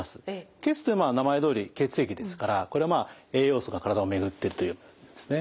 「血」は名前どおり血液ですからこれは栄養素が体を巡ってるというものですね。